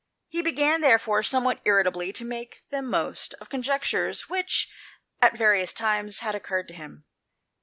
He began, therefore, somewhat irritably, to make the most of conjectures which, at various times, had occurred to him.